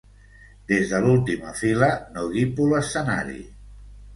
Des de l'última fila no guipo l'escenari.